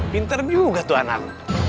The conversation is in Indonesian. pinter juga tuh anak